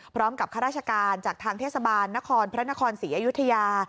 พร้อมกับข้าราชการจากทางเทศบาลนครพระนครศรีอายุทยา